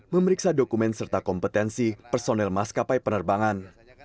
memeriksa dokumen serta kompetensi personel maskapai penerbangan